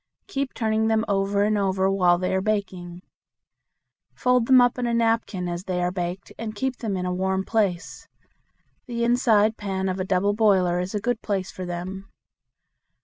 Keep turning them over and over while they are baking. Fold them up in a napkin as they are baked and keep in a warm place. The inside pan of a double boiler is a good place for them.